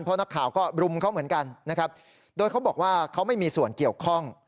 เพราะนักข่าวก็รุมเขาเหมือนกันนะครับโดยเขาบอกว่าเขาไม่มีส่วนเกี่ยวข้อง